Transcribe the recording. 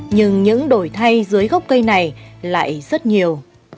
nhưng những đổi thay dưới gốc cây này lại rất nhiều